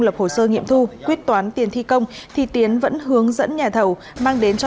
lập hồ sơ nghiệm thu quyết toán tiền thi công thì tiến vẫn hướng dẫn nhà thầu mang đến cho